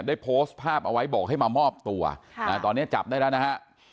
ได้โพสต์ภาพเอาไว้บอกให้มามอบตัวตอนนี้จับได้แล้วนะฮะ